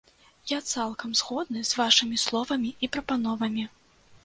Я цалкам згодны з вашымі словамі і прапановамі.